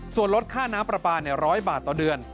ส่วนลดค่าน้ำปลาปลา๑๐๐บาทต่อเดือน